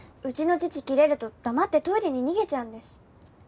うちの父キレると黙ってトイレに逃げちゃうんです。